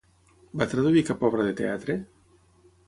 Va traduir cap obra de teatre?